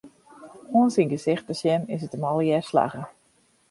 Oan syn gesicht te sjen, is it him allegear slagge.